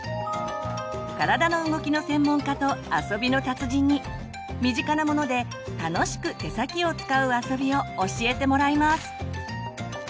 体の動きの専門家と遊びの達人に身近なもので楽しく手先を使う遊びを教えてもらいます！